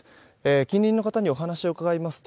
近隣の方にお話を伺いますと